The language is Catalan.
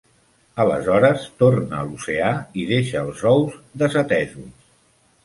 Aleshores torna a l'oceà i deixa els ous de desatesos.